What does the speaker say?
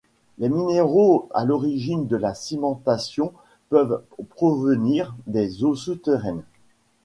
Les minéraux à l'origine de la cimentation peuvent provenir des eaux souterraines.